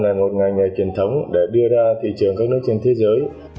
là một ngành nghề truyền thống để đưa ra thị trường các nước trên thế giới